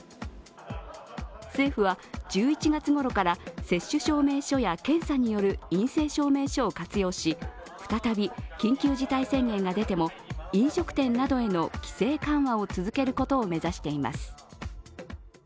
政府は１１月ごろから接種証明書や検査による陰性証明書を活用し再び緊急事態宣言が出ても飲食店などへの規制緩和を続けることを目指しています。